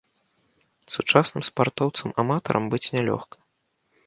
Сучасным спартоўцам-аматарам быць нялёгка.